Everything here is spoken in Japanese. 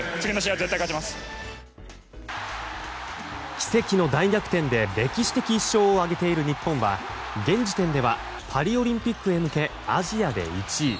奇跡の大逆転で歴史的１勝を挙げている日本は現時点ではパリオリンピックへ向け、アジアで１位。